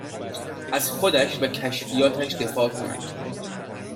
از خودش و کشفیاتش دفاع کند.